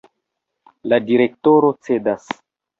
La direktoro cedas.